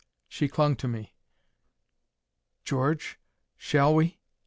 She clung to me. "George, shall we?"